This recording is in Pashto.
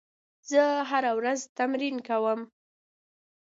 زه هره ورځ تمرین کوم.